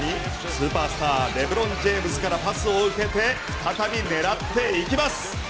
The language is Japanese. さらにスーパースターのレブロン・ジェームズからパスを受けて狙っていきます。